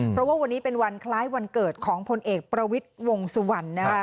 เพราะว่าวันนี้เป็นวันคล้ายวันเกิดของพลเอกประวิทย์วงสุวรรณนะคะ